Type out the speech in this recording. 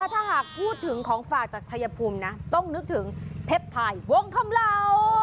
ถ้าหากพูดถึงของฝากจากชายภูมินะต้องนึกถึงเพชรไทยวงคำเหล่า